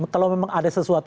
kalau memang ada sesuatu